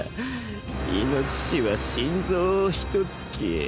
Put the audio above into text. イノシシは心臓を一突き。